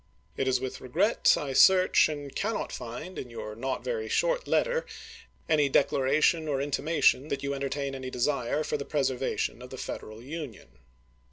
It is with regret I search and cannot find in your not very short letter any declaration or inti mation that you entertain any desire for the preservation of the Federal Union.